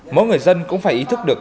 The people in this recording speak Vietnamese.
mỗi người dân cũng phải ý thức được